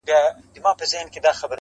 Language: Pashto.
o هغې په نيمه شپه ډېـــــوې بلــــي كړې.